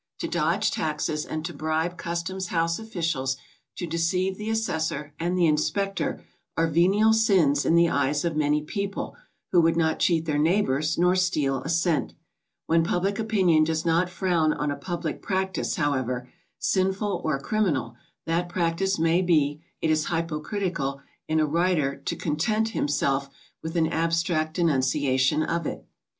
To dodge taxes and to bribe customs house officials, to deceive the assessor and the inspector, are venial sins in the eyes of many people who would not cheat their neighbors nor steal a cent. When public opinion does not frown on a public practice, however sinful or criminal that practice may be, it is hypo critical in a writer to content himself with an abstract de nunciation of it.